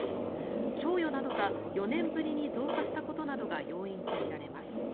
賞与などが４年ぶりに増加したことなどが要因とみられます。